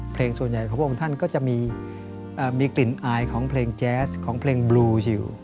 เพลงส่วนใหญ่ของพระองค์ท่านก็จะมีกลิ่นอายของเพลงแจ๊สของเพลงบลูอยู่